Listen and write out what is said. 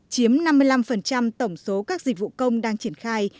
chiếm năm mươi năm tổng số các dịch vụ công đang triển khai